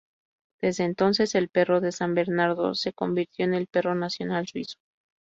Desde entonces el perro de san bernardo se convirtió en el "perro nacional suizo".